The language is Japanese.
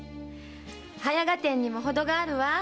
早合点にもほどがあるわ。